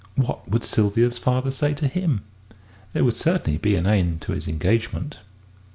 What would Sylvia's father say to him? There would certainly be an end to his engagement.